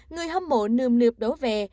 người hâm mộ nườm nượp đổ về